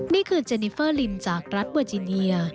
นี่คือเจนิเฟอร์ลิมจากรัฐเวอร์จิเนีย